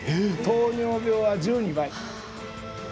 糖尿病は１２倍。